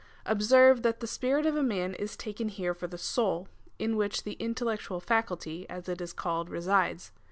Observe, that the spirit of a man is taken here for the soul, in which the intellectual faculty, as it is called, resides.